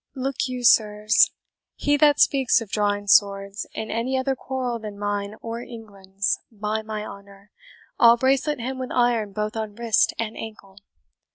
Look you, sirs, he that speaks of drawing swords in any other quarrel than mine or England's, by mine honour, I'll bracelet him with iron both on wrist and ankle!"